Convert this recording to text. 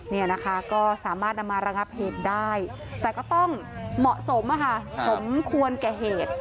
นี่นะคะก็สามารถนำมาระงับเหตุได้แต่ก็ต้องเหมาะสมสมควรแก่เหตุ